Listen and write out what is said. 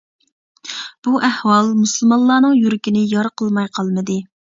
بۇ ئەھۋال مۇسۇلمانلارنىڭ يۈرىكىنى يارا قىلماي قالمىدى.